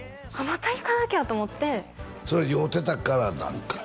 また行かなきゃと思ってそれ酔うてたからなんか？